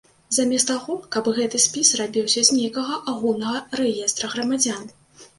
Замест таго, каб гэты спіс рабіўся з нейкага агульнага рэестра грамадзян.